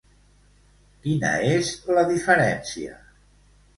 Quina és la diferència?